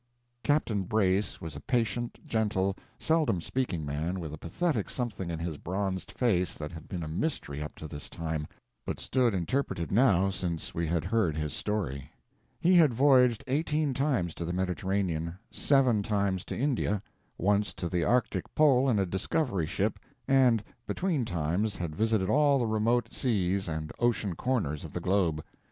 Captain Brace was a patient, gentle, seldom speaking man, with a pathetic something in his bronzed face that had been a mystery up to this time, but stood interpreted now since we had heard his story. He had voyaged eighteen times to the Mediterranean, seven times to India, once to the arctic pole in a discovery ship, and "between times" had visited all the remote seas and ocean corners of the globe.